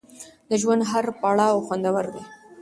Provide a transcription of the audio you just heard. د ژوند هر پړاو خوندور دی.